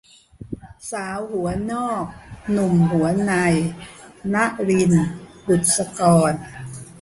สาวหัวนอกหนุ่มหัวใน - นลิน บุษกร